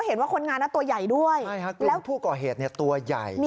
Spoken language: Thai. มานี่นั่งลงนั่งลงนั่งลงนั่งลงนั่งลงนั่งลง